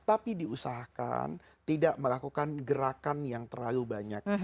tapi diusahakan tidak melakukan gerakan yang terlalu banyak